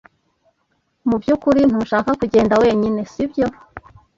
Mubyukuri ntushaka kugenda wenyine, sibyo?